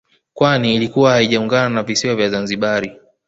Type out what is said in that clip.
Kwani ilikuwa haijaungana na visiwa vya Zanzibari